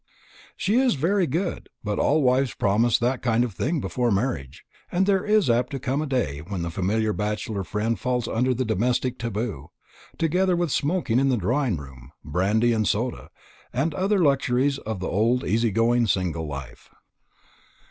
"She is very good; but all wives promise that kind of thing before marriage. And there is apt to come a day when the familiar bachelor friend falls under the domestic taboo, together with smoking in the drawing room, brandy and soda, and other luxuries of the old, easy going, single life."